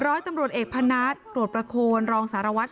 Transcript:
ร้อยตำรวจเอกพนัตย์ตรวจประควรรองศาลวัฒน์